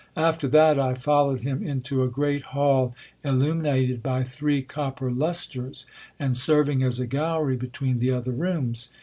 After that, I followed him into a great hall illumin ated by three copper lustres, and serving as a gallery between the other rooms.